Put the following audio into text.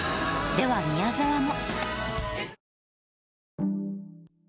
では宮沢も。